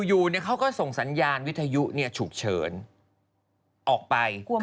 อยู่เขาก็ส่งสัญญาณวิทยุฉุกเฉินออกไป